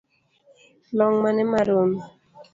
Long’ mane maromi?